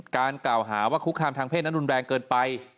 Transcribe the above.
การกล่าวหาว่าคุกคามทางเพศนั้นรุนแรงเกินไป